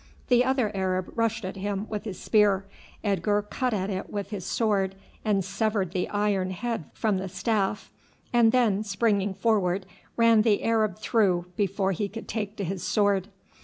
The other Arab rushed at him with his spear. Edgar cut at it with his sword and severed the iron head from the staff, and then springing forward ran the Arab through before he could take to his sword.